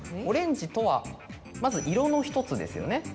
オレンジとはまず色の１つですよね。